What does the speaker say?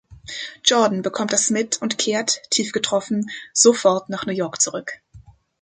Jordan bekommt das mit und kehrt, tief getroffen, sofort nach New York zurück.